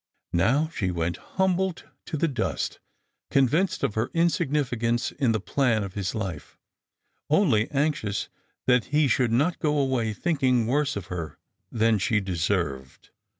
Now she went humbled to the dust, convinced of her insignificance in the plan of his life ; only anxious that he should not go away thinking worse of her than she deserved.